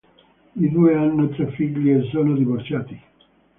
I due hanno tre figli e sono divorziati.